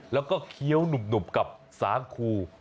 แล้วก็เคี้ยวหนุ่มกับสาคู